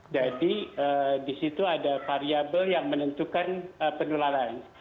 jadi di situ ada variable yang menentukan penyelamatan